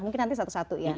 mungkin nanti satu satu ya